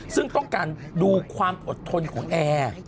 ซึ่งต้องการดูความอดทนของแอร์